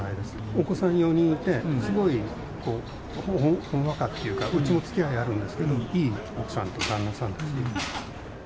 お子さん４人いて、すごいほんわかっていうか、うちもつきあいあるんですけど、いい奥さんと旦那さんですね。